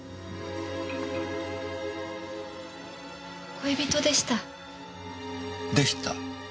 恋人でした。でした。